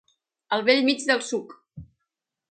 El bell mig del suc.